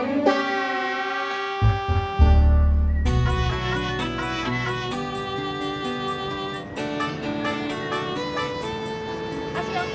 mas ya ampun